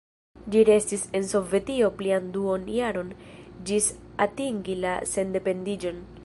Ĝi restis en Sovetio plian duonjaron ĝis atingi la sendependiĝon.